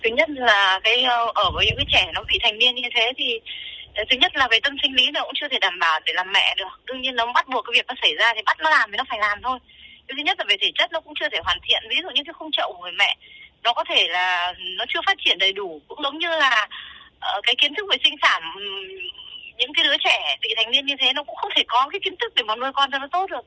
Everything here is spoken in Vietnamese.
nó có thể là nó chưa phát triển đầy đủ cũng giống như là cái kiến thức về sinh sản những cái đứa trẻ bị thành niên như thế nó cũng không thể có cái kiến thức để mà nuôi con cho nó tốt được